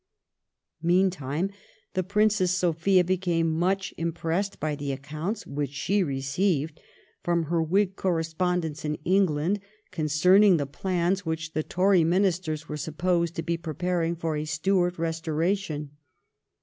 Meantime the Princess Sophia became much impressed by the accounts which she received from her Whig correspondents in England, concerning the plans which the Tory Ministers were supposed to be preparing for a Stuart restoration.